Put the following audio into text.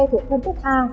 thuộc phân tích a